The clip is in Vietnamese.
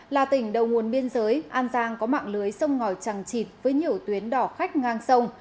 là tỉnh đầu nguồn biên giới an giang có mạng lưới sông ngòi trăng trịt với nhiều tuyến đỏ khách ngang sông